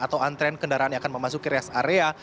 atau antrean kendaraan yang akan memasuki rest area